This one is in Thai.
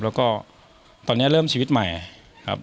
แล้วก็ตอนนี้เริ่มชีวิตใหม่ครับ